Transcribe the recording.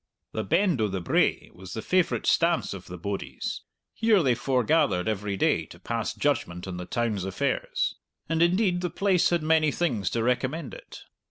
The Bend o' the Brae was the favourite stance of the bodies: here they forgathered every day to pass judgment on the town's affairs. And, indeed, the place had many things to recommend it.